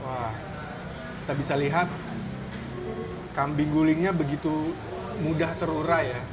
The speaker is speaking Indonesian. wah kita bisa lihat kambing gulingnya begitu mudah terurai ya